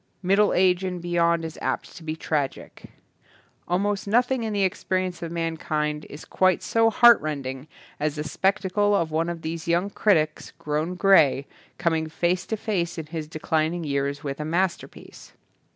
Middle age and beyond is apt to be tragic. Almost nothing in the ex perience of mankind is quite so heart rending as the spectacle of one of these young critics, grown grey, com ing face to face in his declining years with a masterpiece.